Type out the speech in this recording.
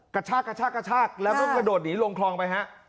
กระชากกระชากกระชากแล้วก็กระโดดหนีลงคลองไปฮะ